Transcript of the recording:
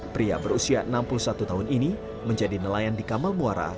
pria berusia enam puluh satu tahun ini menjadi nelayan di kamal muara